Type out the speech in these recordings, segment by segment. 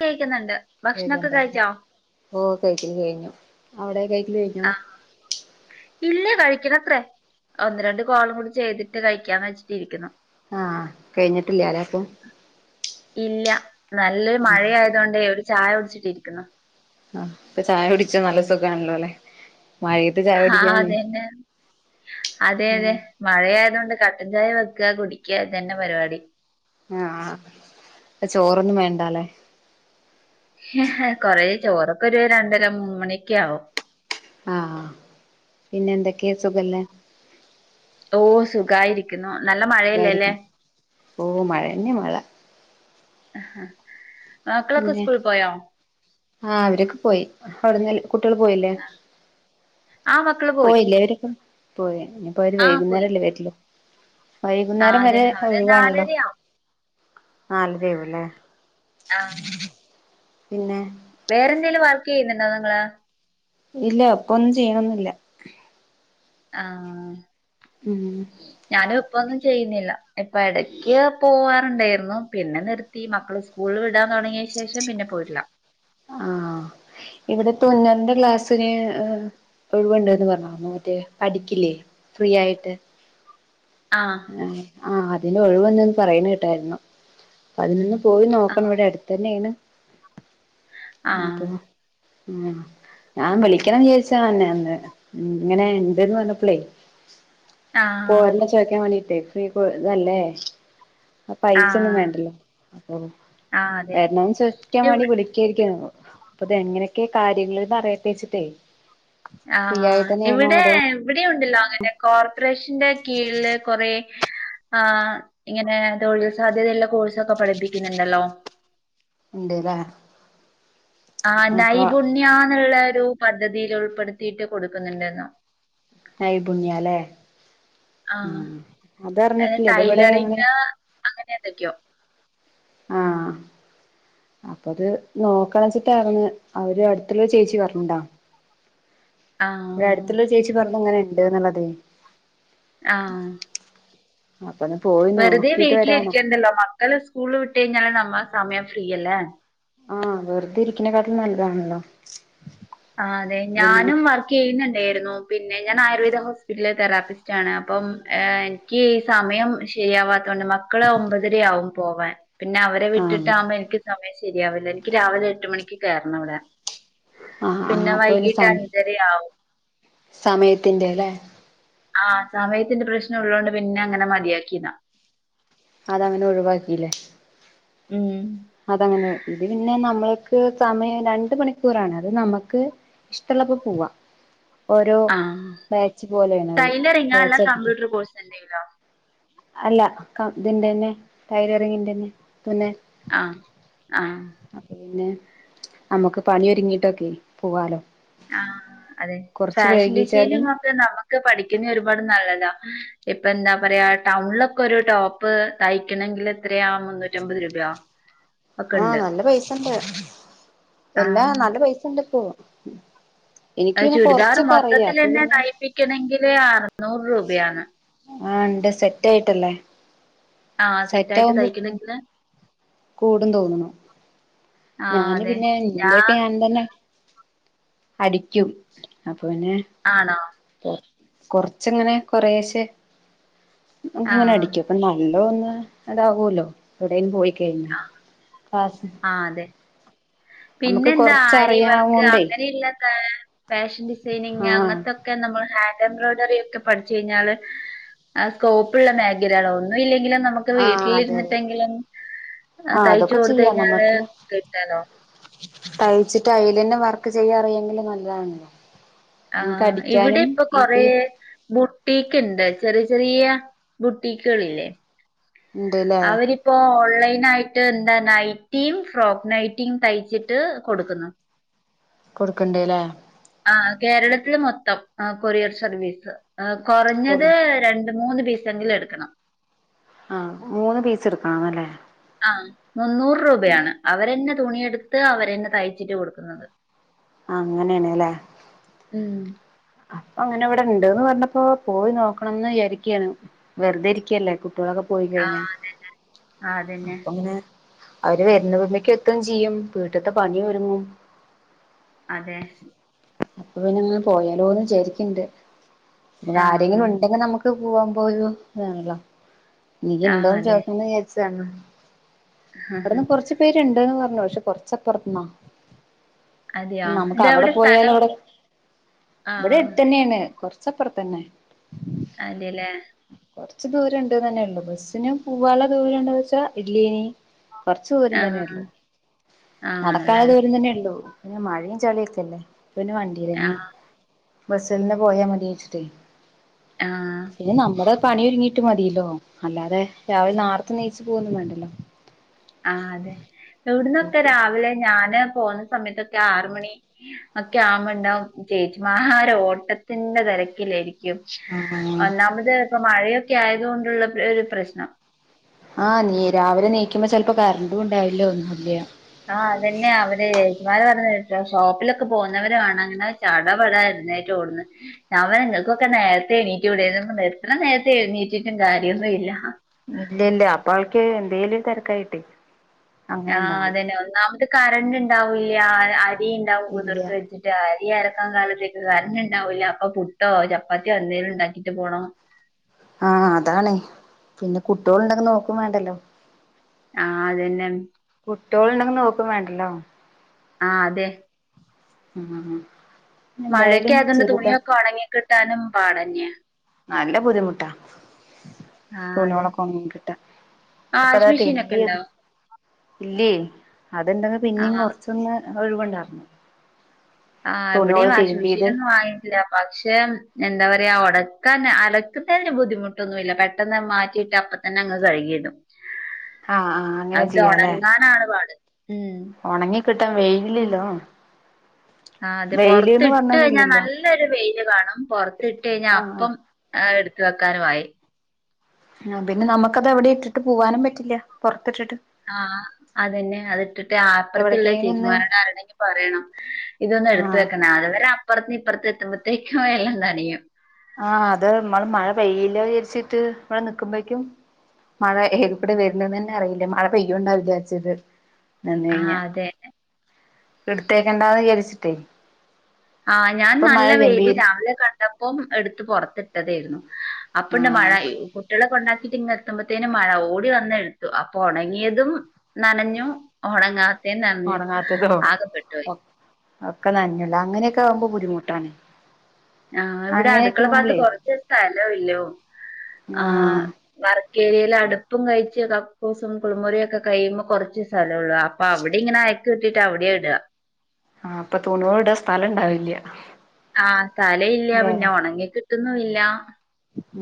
കഴിക്കുന്നുണ്ട് ഭക്ഷ്ണൊക്കെ കഴിച്ചോ ഓഹ് കഴിക്കല് കയ്ഞ്ഞു അവിടെ കഴിക്കല് കയ് ആഹ് ഇല്ല കഴിക്കണത്രേ ഒന്ന് രണ്ട് കോളും കൂടി ചെയ്തിട്ട് കഴിക്കാന്ന് വെച്ചിട്ടിരിക്കുന്നു ആഹ് കഴിഞ്ഞിട്ടില്ല്യാല്ലേ അപ്പം ഇല്ല, നല്ലൊരു മഴ ആയതു കൊണ്ടേ ഒരു ചായ കുടിച്ചിട്ടിരിക്കുന്നു ആഹ് ഇപ്പ ചായുട്ച്ചാ നല്ല സുഖാണല്ലോ ലെ. വൈട്ട് ചാ. ആഹ് അതന്നെ അതെ അതെ. മഴയായതൊണ്ട് കട്ടൻ ചായ വെക്ക കുടിക്ക ഇതന്നെ പരിവാടി. ആഹ് ചോറൊന്നും വേണ്ടാലെ. ഹ് ഹ് കൊറെ ചോറൊക്കൊര് രണ്ടര മൂന്ന്മണിക്യെ ആവും. ആഹ് പിന്നെന്തൊക്കെ സുഖല്ലേ? ഓ സുഖായിരിക്കുന്നു നല്ല മഴയല്ലേലെ. സുഖായിരിക്കുന്നു ഓ മഴയെന്നെ മഴ. മക്കളൊക്കെ പിന്നെ സ്കൂൾ പോയോ? ആഹ് അവരൊക്കെ പോയി [unintelligible] കുട്ടിയൾ പോയില്ലേ ആ മക്കള് പോയി പോയില്ലേ വരൊക്കെ പോയ്. ഇപ്പവര് ആ പോയി വൈകുന്നേരല്ലേ വര്ല്. ആ വൈകുന്നേരം അതെ വരെ അവര് ഒഴിവാണല്ലോ നാലരയാവും നാലരയാവും ല്ലേ. ആ. പിന്നെ. വേറെ എന്തേലും വർക്കെയ്യ്ന്നുണ്ടോ നിങ്ങള്? ഇല്ല ഇപ്പൊന്നും ചെയ്യ്ണൊന്നുല്ല. ആഹ്. മ് ഞാനും ഇപ്പൊന്നും ചെയ്യുന്നില്ല ഇപ്പ എടക്ക്യ് പോവാർണ്ടേര്ന്നു പിന്നെ നിർ പ്പീ മക്കള് സ്കൂള്ൽ വിടാൻ തൊടങ്ങിയൻ ശേഷം പിന്നെ പോയിട്ട്ല്ല. [inaudible] ഇവ്ടെ തുന്നൽന്റെ ക്ലാസ്സിന് ഹ്. ഒഴിവുണ്ട്ന്ന് പറഞ്ഞോ ആ മറ്റേ പഠിക്കില്ലേ ഫ്രീ ആയിട്ട്. ആഹ്. ഏഹ് ആ അതിനൊഴിവ്ണ്ട്ന്ന് പറയ്ണ് കേട്ടാര്ന്നു. അതിനൊന്ന് പോയി ആഹ്. നോക്കണം ഇവ്ടെ അടുത്തന്നേണ്. ആഹ്. അതെ മ് ഞാൻ വിളിക്കണന്ന് വിയാര്ച്ചാ അന്നെ അന്ന് മ് ഇങ്ങനെ ഇണ്ട്ന്ന് പറ്ഞ്ഞപ്പളേ. ആഹ്. പോര്നെ ചോയ്ക്കാ വേണ്ടീട്ടേ ഫ്രീഫൊ തല്ലേ. അഹ് പൈസൊന്നും ആഹ്. വേണ്ടല്ലോ അപ്പൊ ആഹ്. അതെ. വര്ണോ ചോയ്ക്കാ ഇവ് വേണ്ടി വിളി. ക്കാര്ക്കേര്ന്നു അപ്പൊ ഇതെങ്ങനൊക്കെ കാര്യങ്ങള്ന്ന് അറിയട്ടേച്ച്ട്ട്. ആഹ് ഇവ്ടെ ഇവിടെണ്ടല്ലോ അങ്ങനെ കോർപ്പറേഷൻ. ന്റെ കീഴില് കൊറേ. ആഹ് ഇങ്ങനെ തൊഴിൽ സാധ്യതയുള്ള കോഴ്സൊക്കെ പഠിപ്പിക്കുന്നുണ്ടല്ലോ. ഇണ്ട് ലേ. ആ നൈപുണ്യാന്ന്ള്ള ഒരു പദ്ധതിയിൽ ഉൾപ്പെടുത്തിയിട്ട് കൊട്ക്ക്ന്ന്ണ്ടേര്ന്ന. നൈപുണ്യാലേ. ആഹ് ഏഹ് അതർഞ്ഞ്ട്ട്ല്ല ഇത്വ്ടെ ങ്ങള്. ടൈലറിങ് അങ്ങനെ എന്തൊക്കെയോ. ആഹ്. അപ്പൊത് നോക്കണച്ചിട്ടാര്ന്ന് അവര് അട്ത്ത്ള്ള ഒര് ചേച്ചി പറ്ഞ്ഞതാ. ആഹ്. ഇവ്ടെ അട്ത്ത്ള്ളൊര് ചേച്ചി പർഞ്ഞു ഇങ്ങനെ ണ്ട്ന്ന്ള്ളത്. ആഹ്. അപ്പന്ന് പോയ്. വെറുതെ വീട്ടില്ര്ക്കണ്ടല്ലോ മക്കള് സ്കൂള് വിട്ടഴിഞ്ഞാല് നമ്മളെ സമയം ഫ്രീയല്ലേ. ആഹ് വെർതെരിക്ക്ണകാട്ട്ലും നല്ലതാണല്ലോ. ആഹ് അതെ പിന്നെ ഞാനും വർ [unintelligible] പിന്നെ ഞാനായൂർവേദ ഹോസ്പിറ്റലിലെ തെറാപ്പിസ്റ്റാണ് അപ്പം ഏ ഇക്കീ സമയം ശെരിയാവാത്തോണ്ട് മക്കള് ഒമ്പതരെയാവും പോവാൻ പിന്നെ അവരെ ആഹ് വിട്ടിട്ടാകുമ്പോ എനിക്ക് സമയം ശരിയാവില്ല എനിക്ക് രാവിലെ എട്ട് മണിക്ക് കേറണവ്ടെ. ആഹ ആ അപ്പൊ പിന്നെ സമ അഞ്ചരയാവും സമയത്തിന്റെല്ലെ? ആഹാ സമയത്തിന്റെ പ്രശ്നൊള്ളോണ്ട് പിന്നങ്ങനെ മതിയാക്കിയതാ. അതങ്ങനെ ഒഴിവാക്കിലേ? മ് അതങ്ങനെ ഇത് പിന്നെ നമ്മള്ക്ക് സമയം രണ്ട് മണിക്കൂറാണ് അത് നമക്ക്. ഇഷ്ടള്ളപ്പോ പോവാ ഓരോ ആഹ് ബാച്ച് പോലെയാണ് അഹ് ടൈലറിങ്ങാ അല്ല ബാച്ചാക്കിട്ട [unintelligible] അല്ല ക ഇതിന്റെ തന്നെ ടൈലറിങ്ങിന്റെന്നെ തുന്ന ആഹ ആഹ അപ്പപിന്നെ അമ്മക്ക് പണിയൊരുങ്ങിട്ടൊക്കെ പോവാലോ. ആഹാ അതെ കൊറച്ച് ഫാഷൻ വൈകിച്ചാലും ഡിസൈനിങ്ങൊക്കെ നമക്ക് പഠിക്കുെന്നെ ഒരുപാട് നല്ലതാ. ഇപ്പെന്താ പറയാ ടൗൺലൊക്കൊരു ടോപ്പ് തയ്ക്കെണങ്കിലെത്രയാ മുന്നൂറ്റമ്പത് രൂപയോ? ഒക്കെ ആഹാ ഉണ്ട് നല്ല പൈസണ്ട് എല്ലാ ആഹ് നല്ല പൈസണ്ട്പ്പോ അത് ചുരിദാർ മൊത്തത്തിലെന്നെ തയ്പ്പിക്കണെങ്കില് അറന്നൂറ് രൂപയാണ്. ആഹ് ഇണ്ട് സെറ്റായിട്ടല്ലേ? ആഹാ സെറ്റായിട്ട് തൈക്കണെങ്കില്. കൂടും തോന്നുണു. ആഹ് ഞാന് അതെ പിന്നെ ന്റെയൊക്കെ ഞാൻ തന്നെ അടിക്കും അപ്പൊ പിന്നെ. ആണോ? കൊറച്ച്ങ്ങനെ കൊറേശെ ഒക്കെങ്ങനെ ആഹ് അടിക്കും. അപ്പൊ നല്ലോന്ന് അണ്ടാവല്ലോ എവിടെലും പോയി കഴിഞ്ഞാ ക്ലാ ആഹാ അതെ. പിന്നെന്താ ആര്യവർക്ക് കൊറച്ചറിയാവോണ്ടേ അങ്ങനെയ്ളെളക്കെ ഫാഷൻ ഡിസൈനിങ് ആഹ് അങ്ങത്തൊക്കെ ക്കെ നമ്മള് ഹാൻഡ് എംബ്രോയിഡറിയൊക്കെ പഠിച്ചു കഴിഞ്ഞാല്. ആഹ് സ്കോപ്പ്ള്ള മേഖലെയാടോ ഒന്നുഇല്ലെങ്കിലും നമുക്ക്. നമുക്ക് ആഹ് അതെ അതെ വീട്ടിലിരുന്നിട്ടെങ്കിലും ആഹ് തയ്ച്ച് അതൊക്കെ കൊടുത്ത് ചെയ്യാം കഴിഞ്ഞാല് നമുക്ക് കിട്ടാലോ. തയ്ച്ചിട്ട് അയിലെന്നെ വർക്ക് ചെയ്യാറിയെങ്കില് നല്ലതാണല്ലോ. നമുക്ക് ആഹ് ഇവിടെ അടിക്കാനും ഇപ്പൊ ഇപ്പ കൊറേ. ഈ ബുട്ടീക്ക്ണ്ട് ചെറിയ ചെറിയ്യാ ബുട്ടീക്ക്കളില്ലേ? ഇണ്ട്ല്ലേ അവരി ഇപ്പൊ ഓൺലൈനായിട്ട് എന്താ നൈറ്റിയും, ഫ്രോക്ക് നൈറ്റിയും, തയ്ച്ചിട്ട് കൊടുക്കുന്നു. കൊടുക്ണ്ട്ല്ലേ? ആഹാ കേരളത്തില് മൊത്തം ആഹ് കൊറിയർ സർവീസ് കൊറഞ്ഞത് കൊറ ര ഒരു മൂന്ന് പീസെങ്കിലും എട്ക്കണം. ആ മൂന്ന് പീസ് എടുക്കണന്നല്ലേ? ആഹ് മുന്നൂറ് രൂപയാണ് അവരെന്നെ തുണിയെടുത്ത് അവരെന്നെ തയ്ച്ചിട്ട് കൊടുക്കുന്നത്. അങ്ങനേണ്ല്ലേ? ഉം അങ്ങനെവ്ടെ ഇണ്ട്ന്ന് പറഞ്ഞപ്പോ പോയി നോക്കണംന്ന് വിചാരിക്കാണ് വെറുതെ ഇരികല്ലേ. കുട്ടോളൊക്കെ പോയി കഴിഞ്ഞ ആഹ് അതന്നെ അപ്പങ്ങനെ. അവര് വരുന്നവമക്ക് എത്തുംചെയ്യും വീട്ട്ത്തെ പണിയൊരുങ്ങും. അതെ. അപ്പൊ പിന്നെങ്ങനെ പോയാലോന്ന് വിചാരിക്ക്ണ്ട് പിന്നെ ആഹ് ആരെങ്കിലുണ്ടെങ്കി നമുക്ക്. പൊറ്ത്ത് പോവുമ്പോരു ഇതാണല്ലോ ആഹ് നീയ്ണ്ടോന്ന് അതെ. ചോയ്ക്കണന്ന് വിചാരിച്ചതാണ്. ഇവ ട്ന്ന് കൊറച്ച്പേര്ണ്ട്ന്ന് പറഞ്ഞു പക്ഷെ കൊറച്ചപ്പ്റ്ത്ത്ന്നാ. അതെയോ നമക്കവ്ടെ ഇതെവിടെ പോയാലു സ്ഥലം? ഇവിടെ ആഹ് അടുത്ത തന്നെയാണ്, കൊറച്ച് അപ്പുറത്ത് തന്നെ. അതെല്ലേ. കുറച്ച് ദൂരം ഉണ്ട് തന്നെയുള്ള ബസ്സിന് പോവാനുള്ള ദൂരയുണ്ടെന്ന് വെച്ചാൽ ഇല്ലെയേനി. കുറച്ചു ദൂരം ആഹ് തന്നെള്ളു നടക്കാല ആണല്ലേ ദൂരം തന്നെള്ളു പിന്നെ മയെം ചളിയൊക്കല്ലേ. പിന്നെ വണ്ടിൽന്നെ ആഹ് ബസ്സിൽന്നേ പോയാ മതിച്ചിട്ടേയ്. ആഹ് പിന്നെ നമ്മുടെ പണി ഒരുങ്ങി. റ്റ മതില്ലോ അല്ലാതെ രാവിലെ നാർതെ യെണീച്ചു പോകന്നും വേണ്ടല്ലോ. ആഹ് അതെ, എവിടന്നൊക്കെ നോക്കും രാവിലെ ഞാന് പോന്നേ സമയത്തൊക്കെ ആറ് മണി. ഒക്കെ ആകുമ്പോ ഉണ്ടാവും ചേച്ചിമാര് ഓട്ടത്തിന്റെ തിരക്കിലായിരിക്കും. ആഹ് കും ഒന്നാമത് ഇപ്പ മഴയൊക്കെ ആയത് കൊണ്ടുള്ള ഒരു പ്രശ്നം. ആഹ് നീ രാവിലെ നീക്കുമ്പോ ചെൽപ്പോ കറണ്ടുംണ്ടാവില്ല ഒന്നുംല്ല. ആഹ് അതന്നെ അവര് ഏച്ചിമാര് പറഞ്ഞ ഷോപ്പിലൊക്കെ പോകുന്നവര് വാണംന്ന്‌. ചടപട എഴുന്നേറ്റോടുന്ന. ഞാൻ പറി നിങ്ങൾക്കൊക്കെ നേരത്തെ എണീറ്റുടെ എത്ര നേരത്തെ എഴണീറ്റിട്ടും കാര്യമൊന്നു ഇല്ല. ഇല്ല ഇല്ല അപ്പാൾക്ക് എന്തെലും തിരക്കായിട്ടേ. അങ്ങനെ ആഹ് ഉണ്ടാവും അതെന്നെ ഒന്നാമത് കറന്റ്‌ ഉണ്ടാവൂല്ല, അരി ഉണ്ടാവും ഇല്ല കുതിർത്ത് വെച്ചിട്ട്. അരി അരയ്ക്കാൻ കാലത്തേക്ക് കറന്റ് ഉണ്ടാവൂല, അപ്പൊ പുട്ടോ ചപ്പാത്തിയോ എന്തേലും ഉണ്ടാക്കിട്ട് പോണം. ആഹ് അതാണ് പിന്നെ കുട്ടോൾ ഉണ്ടെങ്കി നോക്കും വേണ്ടല്ലോ. ആഹ് അത് തന്നെയാണ്. കുട്ടോൾ ഉണ്ടെങ്കിൽ നോക്കും വേണ്ടല്ലോ. ആഹ് അതെ. ആഹ് ആഹ് ആഹ് മഴയൊക്കെ എന്തായാലും ആയതോണ്ട് ചെറുതാ. തുണിയൊക്കെ ഒണങ്ങി കിട്ടാനും പാടന്നെയാ നല്ല ബുദ്ധിമുട്ടാ. ആഹ് അതെ തൂണോളക്ക ഒങ്ങും കിട്ടാ ആ ഒക്കെ അതാ വാഷിംഗ് മെഷീനൊക്കെ തിരിമ്പി. ഇണ്ടോ ഇല്ല്യാ അത് എന്തെന്ന് പിന്നെയും ആഹ് കൊറച്ചൊന്ന് ഒഴിവുണ്ടായിരുന്നു. ആഹ് അവടിയും തുണിയോള് വാഷ മെഷീൻ തിരുമ്പിയത് ഒന്നും വാ പക്ഷെ എന്താ പറയാ ഉടക്കന്ന അലക്കുന്നതിന് ബുദ്ധിമുട്ടൊന്നുല്ല പെട്ടെന്ന് മാറ്റിട്ട് അപ്പ തന്നെ അങ്ങ് കഴുകിടും, ആഹ് ആഹ് അങ്ങനെ അത് ചെയ്യാലേ ഉണങ്ങാനാണ് പാട് ഉം. ഒണങ്ങി കിട്ടാൻ വെയ്ല്ലല്ലോ. ആ അതെ പൊറത്ത്ട്ട് കഴിഞ്ഞാ പറഞ്ഞതില്ലല്ലോ നല്ലൊരു വെയിൽ കാണും പൊറത്ത് ഇട്ട് കഴിഞ്ഞാ ആഹ് ആഹ് അപ്പം. ആ എടുത് വെക്കാനുആയി. ആഹ് പിന്നെ നമുക്കത് അവിടെ ഇട്ടിട്ട് പോവാനും പറ്റില്ല പുറത്തിട്ടിട്ട്. ആഹ് അതെന്നെ അത് ഇട്ടിട്ട് അപ്പുറത്തുള്ള എവിടക്കെങ്കിലും ഒന്ന് ചേച്ചിമാരോട് ആരോടെങ്കിലും പറയണം. ഇതൊന്ന് എടുത്ത ആഹ് വെക്കണ അതുവരെ അപ്പുറത്ത് ഇപ്പുറത്ത് എത്തുമ്പോത്തേക്കും എല്ലാം നനിയും. ആഹ് അത് നമ്മള് മഴ പെയില്ല വിചരിച്ചിട്ട് ഇവിടെ നക്കുമ്പോക്കും. മഴ ഏൽ കൂടെ വരരുന്നുന്നന്നെ അറിയില്ല മഴ പെയ്യൂ ണ്ടാവിലാരിചത്. നന്ന ആഹ് കഴിഞ്ഞ അതെ. എടുത്തേക്കണ്ടാന്ന് വിചാരിച്ചിട്ടേ. ആഹ് ഞാൻ അപ്പൊ നല്ല മഴ വെയില് ഗംഭീര് രാവിലെ കണ്ടപ്പോ എടുത്ത് പുറത്ത്. കഥയായിരുന്നു, അപ്പുണ്ട് മഴ ആഹ് കുട്ടികളെ കൊണ്ടാക്കിയിട്ട് ഇങ്ങ്. എത്തുമ്പത്തേന് മഴ, ഓടി വന്നെടുത്ത് അപ്പൊ ഉണങ്ങിയതും നനഞ്ഞു ഉണങ്ങാ ന്നനഞ്ഞു ഒണങ്ങാത്തതോ ആകെ പ്പെട്ടു പോയി. ഒക് ഒക്കെ നനഞ്ഞല്ലോ, അങ്ങനെയൊക്കെ ആകുമ്പോ ബുദ്ധിമുട്ടാണ്. ആഹ് ഇവിടെ അങ്ങനെയൊക്കെ അടുക്കള ഭാഗത്ത് ആവുമ്പളേ കുറച്ച് സ്ഥല ഒല്ലോ ആ. ആഹ് വർക്ക്‌ ഏരിയായിൽ അടുപ്പും കഴിച്ച് കക്കൂസും കുളിമുറിയൊക്കെ കഴിയുമ്പോ കുറച്ച്. സ്ഥലയുള്ളൂ, അപ്പൊ അവിടെ ഇങ്ങനെ അയക്ക് കെട്ടിയിട്ട് അവിടെയാ ഇട്. ആഹ് അപ്പൊ തുണുകൾ ഇടാ സ്ഥലം ഇണ്ടാവില്ല. ആഹ് സ്ഥലല്ല ല്ലേ പിന്നെ ഉണങ്ങി കിട്ട്ന്നുഇല്ല.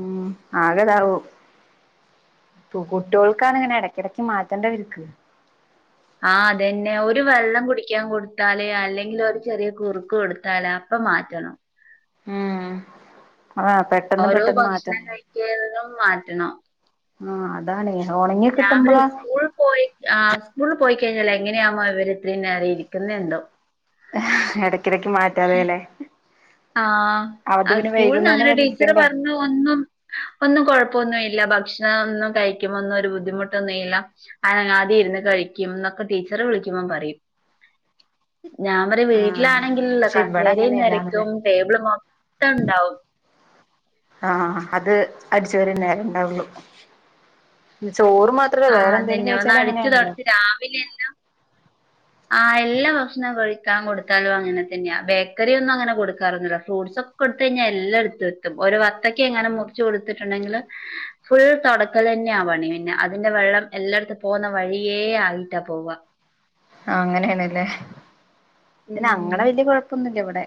ഉം ആഗതാവും. കുട്ടോൾകങ്ങ നെയാണ് ഇങ്ങനെ ഇടക്കിടക്ക് മാറ്റേണ്ട വൽക്ക്. ആഹ് അതന്നെ ഒരു വെള്ളം കുടിക്കാൻ കൊടുത്താല് അല്ലെങ്കിൽ ഒരു ചെറിയ കുറുക്ക് കൊടുത്താലാ. പ് മാറ്റണം. ഉം അത പ.. ഓരോ ഭക്ഷണം കഴിക്കതിനും മാറ്റണം ആ അതാണ് ഒണങ്ങി കിട്ടുമ്പോളാ.. ആ് സ്കൂളിൽ പോയിക്കഴിഞ്ഞാല് എങ്ങനെയാമോ ഇവര് ഇത്രയും നേരം ഇരിക്കുന്നന്തോ. എടക്കിടക്ക് മാറ്റാതെല്ലെ ആഹ ആ സ്കൂളന്ന് വൈകുന്നേരം അങ്ങനെ വരെ ടീച്ചറ് ഇരിക്കണ്ടേ പറഞ്ഞ ഒന്നും... ഒന്നും കൊഴപ്പൊന്നുല്ല ഭക്ഷണം ഒന്നും കഴിക്കുമോന്നും ഒരു ബുദ്ധിമുട്ടൊന്നുല്ല. ആദ്യം ഇരുന്ന് കഴിക്കുന്നൊക്കെ ടീച്ചറെ വിളിക്കുമ്പ പറിം. ഞാൻ പറ ആഹ് വീട്ടിലാണെങ്കിലല്ലോ പക്ഷെ ഇവിടെ കസേര അങ്ങനെയല്ലാന്നല്ലേ നെരയ്ക്കും ടേബിള് മൊത്തംണ്ടാവും. ആഹ അത് അടിച്ച വരെ നേര ണ്ടാവുള്ളു ചോറ് മാ.. ത്ര ആഹ് വേറെ എന്തെലും അതന്നെ ഒന്ന് അടിച്ചു കഴിച്ചാലുംങ്ങനാണല്ലോ. [unintelligible] ആഹ് എല്ലാ ഭക്ഷണം കഴിക്കാൻ കൊടുത്താലും അങ്ങനെ തന്നെയാ ബേക്കറി ഒന്നും അങ്ങനെ കൊടുക്കാറൊന്നില്ല ഫ്രൂട്ട്സ് സൊ.. കൊടുത്തഴിഞ്ഞാൽ എല്ലാം എടുത്ത് എത്തും ഒരു വത്തക്ക എങ്ങനും മുറിച്ച്.. കൊടുത്തിട്ടുണ്ടെങ്കില് ഫുള്ള് തൊടക്കന്നെയാ പണി പിന്നെ അതിന്റെ വെള്ളം എല്ലായിടത്തും പോകുന്ന വഴിയേ ആയിട്ടാ പോവ ആ അങ്ങനെയണല്ലേ പിന്നെ ഉം അങ്ങനെ വല്യ കുഴപ്പൊന്നുമല്ല ഇവിടെ..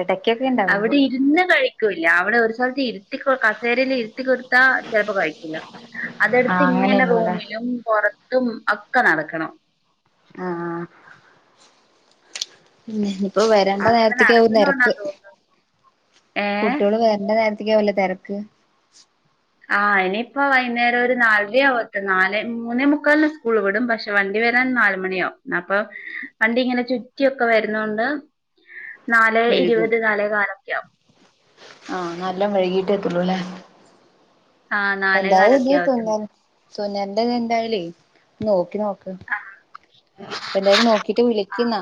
ഇടയ്ക്കൊക്കെ.. അവിടെ ഇരുന്ന് കഴിക്കൂല അവിടെ ഒരു സ്ഥലത്ത് ഇരുത്തി കസേരൽ ഇരുത്തി കൊടുത്താ ചെലപ്പോ കഴിക്കുല. അതെടുത്ത് ആഹ് ഇങ്ങനെ അങ്ങനെയുള്ളൂല്ലേ റൂമിലും പൊറത്തും ഒക്കെ നടക്കണം. ആഹ പിന്നെ ഇപ്പൊ വരേണ്ട അങ്ങനെ നേരത്തേകവും നടക്കുന്നോണ്ടാ തെരക്ക് തോന്നുന്നു ഏ കുട്ടിള് വേരണ്ട നേരത്തേയ്ക്ക് വുല്ലേ തെരക്ക്. ആഹ് ഇനിപ്പോ വൈന്നെരം ഒരു നാലരയാവുമ്പോത്തിന് നാല് മൂന്നേ മുക്കാലിന് സ്കൂൾ വിടും പക്ഷെ... വണ്ടി വരാൻ നാലുമണിയാവും അപ്പൊ വണ്ടി ഇങ്ങനെ ചുറ്റിക്കെ വരുന്നൊണ്ട്... നാലെ വഴുകും ഇരുപത് നാലെ കാലൊക്കെയാവും ആഹ് നല്ല മെഴുകിട്ടെ എത്തള്ളൂല്ലേ ആ നാലേ എന്തായും കാലൊക്കെ ഇതി ആവത്തുള്ളൂ തുന്നൻ.. സോനന്റെത് എന്തായാലേ നോക്കി നോക്ക അപ്പൊ എന്തായാലും നോക്കിട്ട് വിളിക്കിന്നാ...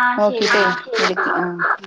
ആ ഒക്കെ ശരി എന്നാ താങ്ക്യു പിന്നെ വിളിക്കാട്ടോ.